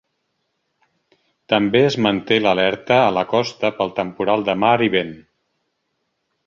També es manté l’alerta a la costa pel temporal de mar i vent.